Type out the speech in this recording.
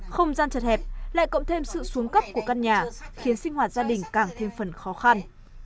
không gian chật hẹp lại cộng thêm sự xuống cấp của căn nhà khiến sinh hoạt gia đình càng thêm phần khó khăn